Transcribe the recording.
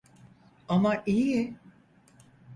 Ama iyi.